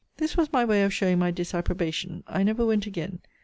This was my way of showing my disapprobation; I never went again.